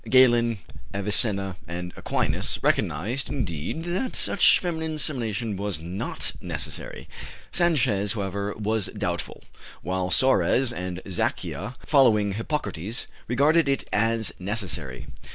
Galen, Avicenna, and Aquinas recognized, indeed, that such feminine semination was not necessary; Sanchez, however, was doubtful, while Suarez and Zacchia, following Hippocrates, regarded it as necessary.